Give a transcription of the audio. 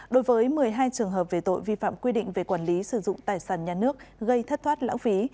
đối với một mươi hai trường hợp về tội vi phạm quy định về quản lý sử dụng tài sản nhà nước gây thất thoát lãng phí